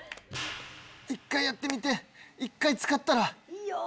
一回やってみて、一回使ったら。